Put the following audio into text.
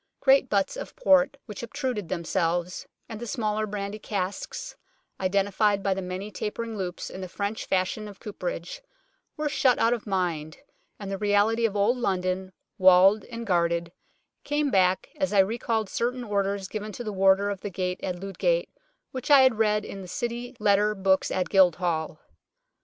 Great butts of port which obtruded themselves, and the smaller brandy casks, identified by the many tapering loops in the French fashion of cooperage, were shut out of mind, and the reality of Old London, walled and guarded, came back as I recalled certain orders given to the Warder of the Gate at Ludgate which I had read in the City Letter Books at Guildhall.